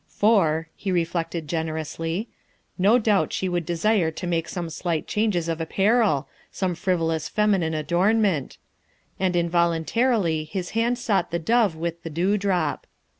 '' For, '' he reflected generously, '' no doubt she would desire to make some slight changes of apparel, some frivolous feminine adornment," and involuntarily his hand sought the dove with the dewdrop.